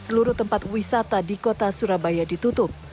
seluruh tempat wisata di kota surabaya ditutup